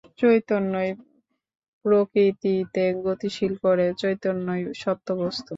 চৈতন্যই প্রকৃতিকে গতিশীল করে, চৈতন্যই সত্য বস্তু।